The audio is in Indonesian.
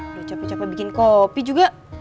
udah capek capek bikin kopi juga